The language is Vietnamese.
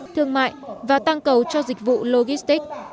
thương mại và tăng cầu cho dịch vụ logistics